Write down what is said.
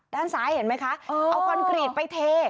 ด้านซ้ายเห็นไหมคะเอาคอนกรีตไปเท